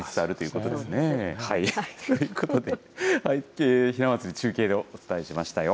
ということで、ひなまつり、中継でお伝えしましたよ。